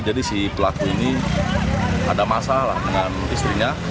jadi si pelaku ini ada masalah dengan istri